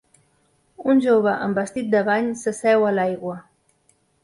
Un jove en vestit de bany s'asseu a l'aigua